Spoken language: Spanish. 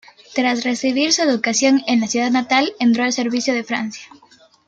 Tras recibir su educación en su ciudad natal, entró al servicio de Francia.